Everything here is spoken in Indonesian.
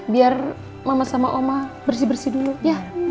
biar mama sama oma bersih bersih dulu ya